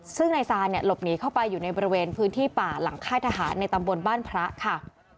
ซึ่งนายซานเนี่ยหลบหนีเข้าไปอยู่ในบริเวณพื้นที่ป่าหลังค่ายทหารในตำบลบ้านพระค่ะ